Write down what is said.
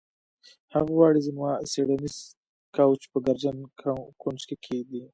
هغه غواړي زما څیړنیز کوچ په ګردجن کونج کې کیږدي